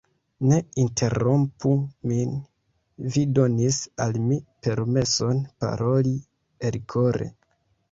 Ne interrompu min; vi donis al mi permeson paroli elkore.